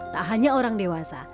tak hanya orang dewasa